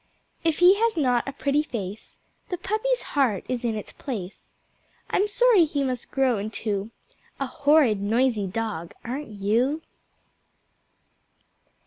If he has not a pretty face The Puppy's heart is in its place. I'm sorry he must grow into A Horrid, Noisy Dog, aren't you?